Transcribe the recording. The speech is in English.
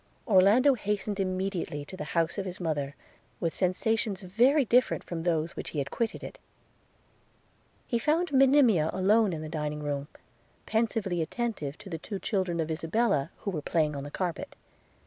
Orlando hastened immediately to the house of his mother, with sensations very different from those which he had quitted it. – He found Monimia alone in the dining room, pensively attentive to the two children of Isabella, who were playing on the carpet.